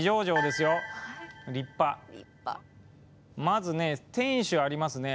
まずね天守ありますね。